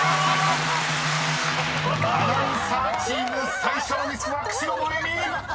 ［アナウンサーチーム最初のミスは久代萌美！］